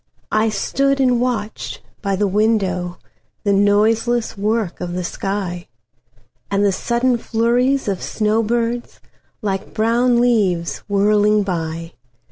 I stood and watched by the windowThe noiseless work of the sky, And the sudden flurries of snow birds, Like brown leaves whirling by.